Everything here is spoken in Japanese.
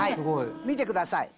見てください。